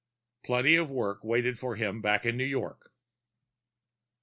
Plenty of work waited for him back in New York.